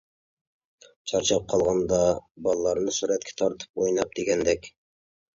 چارچاپ قالغاندا باللارنى سۈرەتكە تارتىپ ئويناپ دېگەندەك.